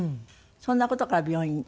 そんな事から病院に？